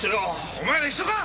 お前ら一緒か！